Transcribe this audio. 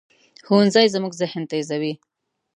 ښوونځی زموږ ذهن تیزوي